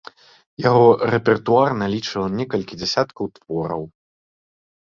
Яго рэпертуар налічваў некалькі дзясяткаў твораў.